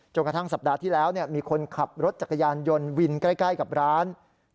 กระทั่งสัปดาห์ที่แล้วมีคนขับรถจักรยานยนต์วินใกล้กับร้าน